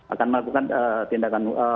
akan melakukan tindakan